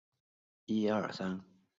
宏杨中国武术。